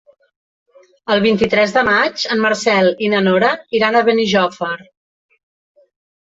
El vint-i-tres de maig en Marcel i na Nora iran a Benijòfar.